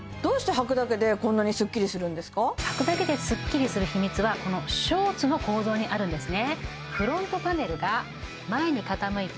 はくだけでスッキリする秘密はこのショーツの構造にあるんですね